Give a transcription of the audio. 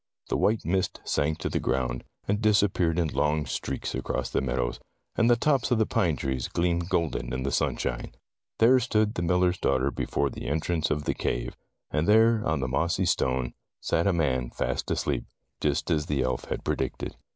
The white mist sank to the ground, and disappeared in long streaks across the meadows, and the tops of the pine trees gleamed golden in the sunshine. There stood the miller's daughter before the entrance of the cave, and there on the mossy stone, sat a man fast asleep, just as the elf had predicted.